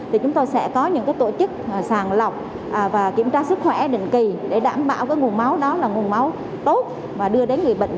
thì chúng tôi sẽ có những tổ chức sàng lọc và kiểm tra sức khỏe định kỳ để đảm bảo nguồn máu đó là nguồn máu tốt và đưa đến người bệnh